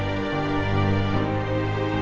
warga yang pesan